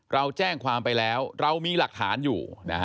เราแจ้งความไปแล้วเรามีหลักฐานอยู่